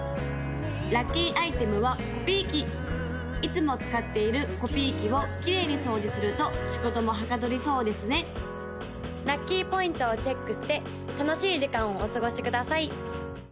・ラッキーアイテムはコピー機いつも使っているコピー機をきれいに掃除すると仕事もはかどりそうですね・ラッキーポイントをチェックして楽しい時間をお過ごしください！